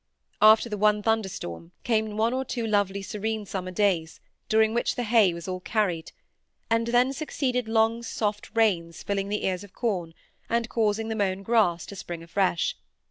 After the one thunderstorm, came one or two lovely serene summer days, during which the hay was all carried; and then succeeded long soft rains filling the ears of corn, and causing the mown grass to spring afresh.